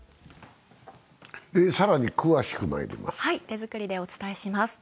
更に詳しくまいります。